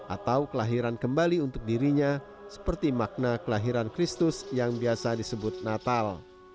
atau kelahiran kembali untuk dirinya seperti makna kelahiran kristus yang biasa disebut natal